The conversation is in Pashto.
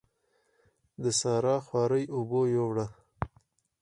د سارا خواري اوبو يوړه.